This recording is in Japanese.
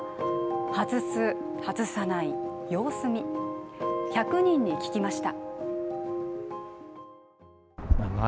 外す、外さない、様子見１００人に聞きました。